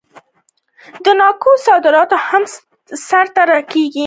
د ناکو صادرات هم ترسره کیږي.